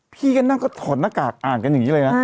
พี่ก็นั่งก็ถอดหน้ากากอ่านกันอย่างนี้เลยนะ